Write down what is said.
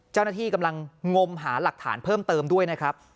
เจ้าหน้าที่กำลังงมหาหลักฐานเพิ่มเติมด้วยนะครับ